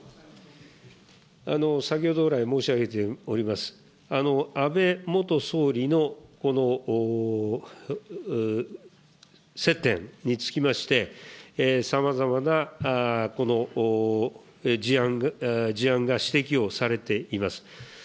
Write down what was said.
先ほど来、申し上げております、安倍元総理のこの接点につきまして、さまざまな事案が指摘をされています。